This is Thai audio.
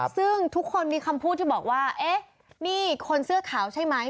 ซึ่งทุกคนมีคำพูดที่บอกว่าเอ๊ะนี่คนเสื้อขาวใช่ไหม